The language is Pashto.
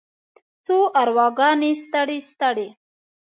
څو ارواګانې ستړې، ستړې